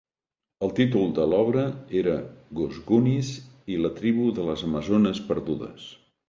El títol de l'obra era "Gousgounis i la tribu de les amazones perdudes".